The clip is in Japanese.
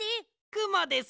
くもです